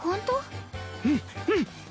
うんうん。